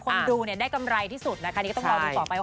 คนดูเนี่ยได้กำไรที่สุดนะคะนี่ก็ต้องรอดูต่อไปว่า